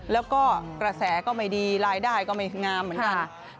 แล้วก็กระแสก็ไม่ดีรายได้ก็ไม่งามเหมือนกัน